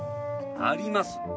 あります。